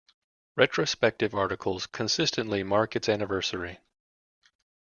Retrospective articles consistently mark its anniversary.